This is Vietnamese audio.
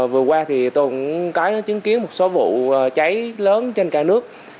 vừa qua tôi cũng có chứng kiến một số vụ cháy lớn trên cả nước